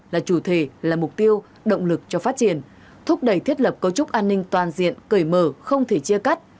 là chủ thể là mục tiêu động lực cho phát triển thúc đẩy thiết lập cấu trúc an ninh toàn diện cởi mở không thể chia cắt